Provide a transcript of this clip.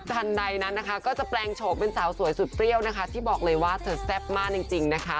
ทันใดก็จะแปลงโฉปเป็นสาวสวยสุดเตรียวที่บอกเลยว่าเจ็บมากจริงนะคะ